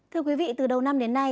thưa quý vị từ đầu năm đến nay